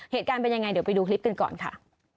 เหตุการณ์เป็นยังไงเดี๋ยวไปดูคลิปกันก่อนค่ะ